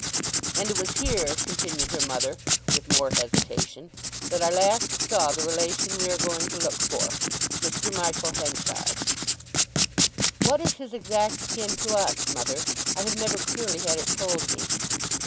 "And it was here," continued her mother, with more hesitation, "that I last saw the relation we are going to look for—Mr. Michael Henchard." "What is his exact kin to us, mother? I have never clearly had it told me."